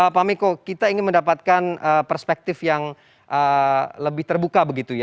pak miko kita ingin mendapatkan perspektif yang lebih terbuka begitu ya